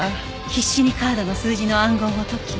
必死にカードの数字の暗号を解き